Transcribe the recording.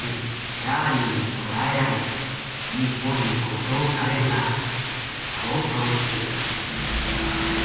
チャーリーに捕らえられ日本に護送されるが逃走する。